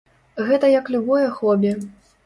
Гэта як любое хобі.